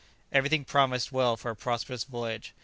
Everything promised well for a prosperous voyage.